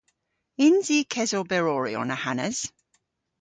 Yns i kesoberoryon ahanas?